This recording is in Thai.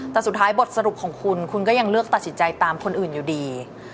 แต่สุดท้ายบทสรุปของคุณคุณก็ยังเลือกตัดสินใจตามคนอื่นอยู่ดี